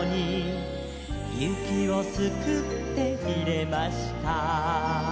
「雪をすくって入れました」